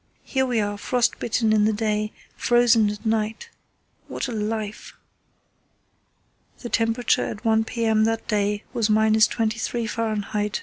Here we are, frostbitten in the day, frozen at night. What a life!" The temperature at 1 p.m. that day was –23° Fahr.